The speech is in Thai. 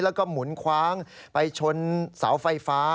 แล้วก็หมุนคว้างไปชนเสาไฟฟ้า